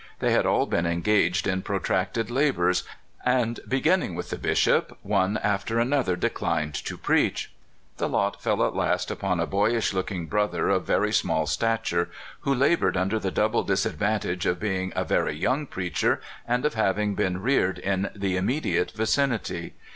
They had all been engaged in pro tracted labors, and, beginning with the Bishop, one after another declined to preach. The lot fell at last upon a boyish looking brother of very small stature, who labored under the double disadvan tage of being a very young preacher and of hav ing been reared in the immediate vicinity.